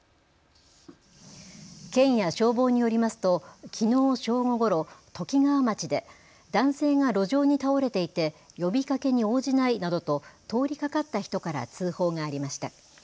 県や消防によりますときのう正午ごろ、ときがわ町で男性が路上に倒れていて呼びかけに応じないなどと通りかかった人から通報がありました。